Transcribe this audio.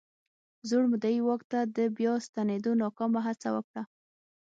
زوړ مدعي واک ته د بیا ستنېدو ناکامه هڅه وکړه.